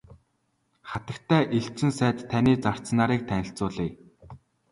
Хатагтай элчин сайд таны зарц нарыг танилцуулъя.